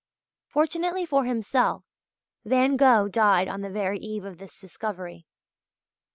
Fortunately for himself Van Gogh died on the very eve of this discovery.